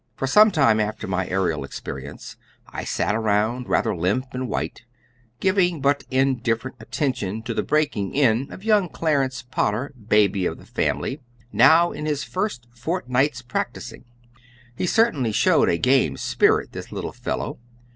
For some time after my aërial experience I sat around rather limp and white, giving but indifferent attention to the breaking in of young Clarence Potter, baby of the family, now in his first fortnight's practising. He certainly showed a game spirit, this little fellow.